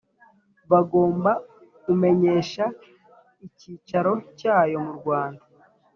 Bagomba kumenyesha icyicaro cyayo mu Rwanda